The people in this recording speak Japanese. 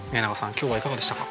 今日はいかがでしたか？